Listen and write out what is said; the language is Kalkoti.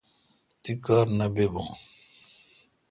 تی کار نہ بہ بو۔